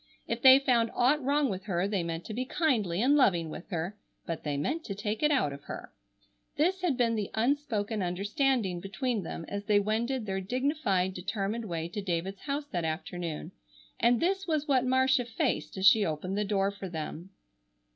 If they found aught wrong with her they meant to be kindly and loving with her, but they meant to take it out of her. This had been the unspoken understanding between them as they wended their dignified, determined way to David's house that afternoon, and this was what Marcia faced as she opened the door for them.